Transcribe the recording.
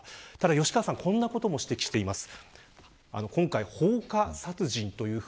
吉川さんはこんなことも指摘しています。